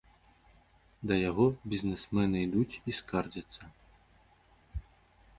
Да яго бізнэсмены ідуць і скардзяцца.